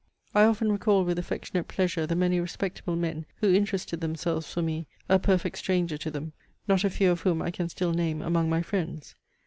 I often recall with affectionate pleasure the many respectable men who interested themselves for me, a perfect stranger to them, not a few of whom I can still name among my friends.